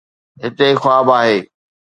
هتي خواب آهي.